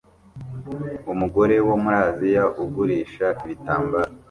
Umugore wo muri Aziya ugurisha ibitambara